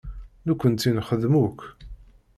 Nekkenti nxeddem akk.